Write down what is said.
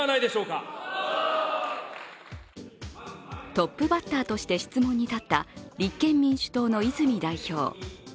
トップバッターとして質問に立った立憲民主党の泉代表。